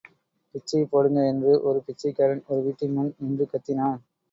பிச்சை போடுங்க என்று ஒரு பிச்சைக்காரன் ஒரு வீட்டின்முன் நின்று கத்தினான்.